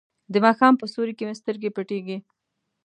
د ماښام په سیوري کې مې سترګې پټې کیږي.